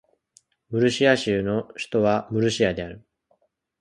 ムルシア州の州都はムルシアである